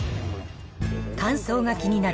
乾燥が気になる